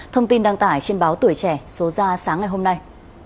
thông tin đăng tải trên báo tuổi trẻ số ra sáng ngày hôm nay